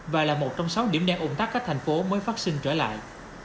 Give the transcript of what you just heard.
và là một trong sáu điểm đen ủng tắc các thành phố mới phát sinh trở lại